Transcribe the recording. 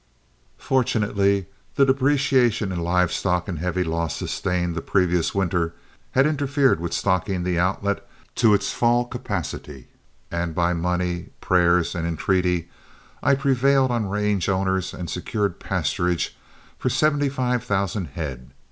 Fortunately the depreciation in live stock and the heavy loss sustained the previous winter had interfered with stocking the Outlet to its fall capacity, and by money, prayers, and entreaty I prevailed on range owners and secured pasturage for seventy five thousand head.